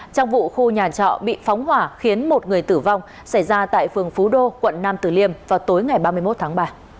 trong vụ khu nhà trọ bị phóng hỏa khiến một người tử vong xảy ra tại phường phú đô quận nam tử liêm vào tối ngày ba mươi một tháng ba